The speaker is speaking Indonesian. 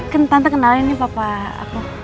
kan tante kenalin nih papa apa